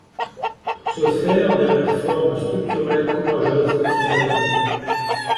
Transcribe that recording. Pour ce faire, des réformes structurelles courageuses sont à mener.